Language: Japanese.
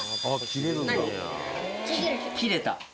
切れた。